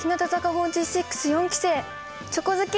４６四期生チョコ好き